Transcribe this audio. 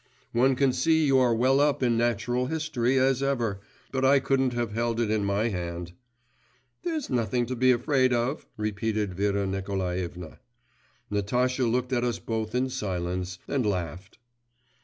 'One can see you are as well up in Natural History as ever, but I couldn't have held it in my hand.' 'There's nothing to be afraid of!' repeated Vera Nikolaevna. Natasha looked at us both in silence, and laughed.